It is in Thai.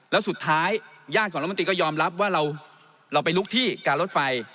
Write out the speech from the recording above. แล้วสุดท้ายญาติของรัฐมนตรีก็ยอมรับว่าเราไปลุกที่การรถไฟ